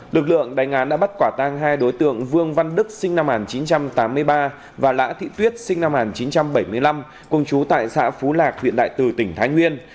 lực lượng đánh án đã bắt quả tang hai đối tượng vương văn đức sinh năm một nghìn chín trăm tám mươi ba và lã thị tuyết sinh năm một nghìn chín trăm bảy mươi năm cùng chú tại xã phú lạc huyện đại từ tỉnh thái nguyên